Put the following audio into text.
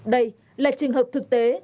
đây là trường hợp thực tế